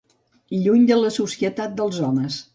Lluny de la societat dels homes.